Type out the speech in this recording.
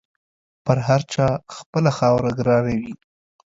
پر هر چا خپله خاوره ګرانه وي.